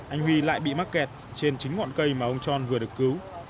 anh huy lại bị mắc kẹt trên chính ngọn cây mà ông tròn vừa được cứu